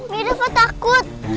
mi udah kok takut